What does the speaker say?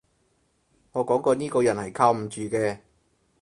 我講過呢個人係靠唔住嘅